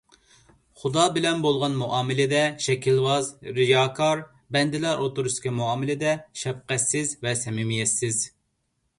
خۇدا بىلەن بولىدىغان مۇئامىلىدە شەكىلۋاز، رىياكار، بەندىلەر ئوتتۇرىسىدىكى مۇئامىلىدە شەپقەتسىز ۋە سەمىمىيەتسىز.